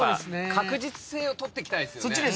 確実性をとっていきたいですよね。